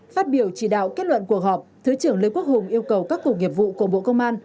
phát biểu chỉ đạo kết luận cuộc họp thứ trưởng lê quốc hùng yêu cầu các cục nghiệp vụ của bộ công an